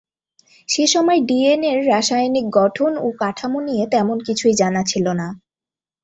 সেসময় ডিএনএ-র রাসায়নিক গঠন ও কাঠামো নিয়ে তেমন কিছুই জানা ছিল না।